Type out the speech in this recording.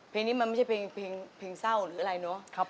เพลงนี้มันไม่ใช่เพลงเศร้าหรืออะไรเนาะ